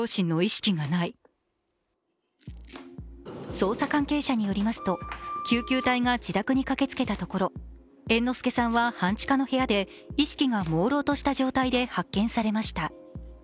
捜査関係者によりますと、救急隊が自宅に駆けつけたところ猿之助さんは半地下の部屋で意識がもうろうとした状態で発見されました。